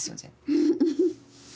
フフフフッ。